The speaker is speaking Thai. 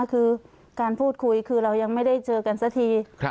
คือการพูดคุยคือเรายังไม่ได้เจอกันสักที